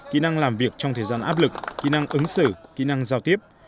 kỹ năng làm việc trong thời gian áp lực kỹ năng ứng xử kỹ năng giao tiếp